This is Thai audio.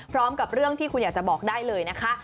พร้อมกับเรื่องที่คุณอยากจะบอกได้เลยนะคะ